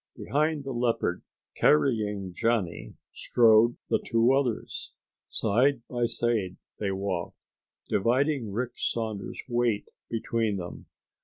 Behind the leopard carrying Johnny strode the two others. Side by side they walked, dividing Rick Saunders' weight between them.